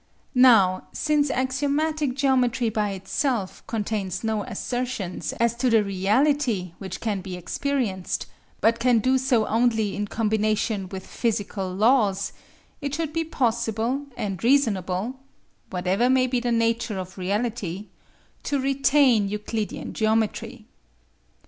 Now since axiomatic geometry by itself contains no assertions as to the reality which can be experienced, but can do so only in combination with physical laws, it should be possible and reasonable whatever may be the nature of reality to retain Euclidean geometry.